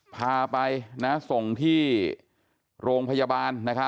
ปาไปโรงพยาบาล